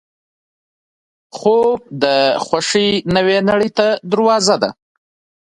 خوب د خوښۍ نوې نړۍ ته دروازه ده